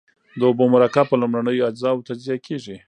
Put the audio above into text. د اوبو مرکب په لومړنیو اجزاوو تجزیه کیږي.